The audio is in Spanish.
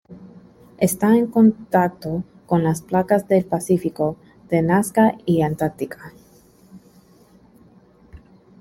Está en contacto con las placas del Pacífico, de Nazca y Antártica.